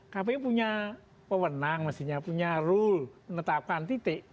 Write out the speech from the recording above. kpu punya pewenang mestinya punya rule menetapkan titik